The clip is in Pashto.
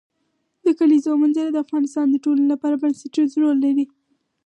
د کلیزو منظره د افغانستان د ټولنې لپاره بنسټيز رول لري.